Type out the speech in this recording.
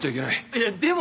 いやでも。